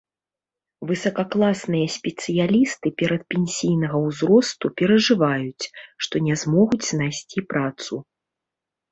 Высакакласныя спецыялісты перадпенсійнага ўзросту перажываюць, што не змогуць знайсці працу.